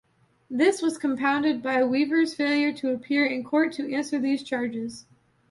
This was compounded by Weaver's failure to appear in court to answer these charges.